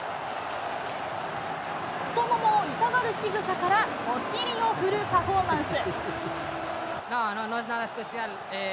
太ももを痛がるしぐさから、お尻を振るパフォーマンス。